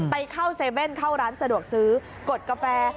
ไปเข้า๗๑๑เข้าร้านสะดวกซื้อกดกาแฟ